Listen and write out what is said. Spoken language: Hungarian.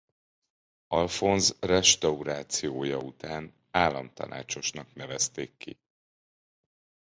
Alfonz restaurációja után államtanácsosnak nevezték ki.